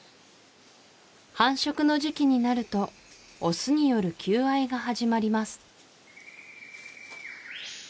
繁殖の時期になるとオスによる求愛が始まります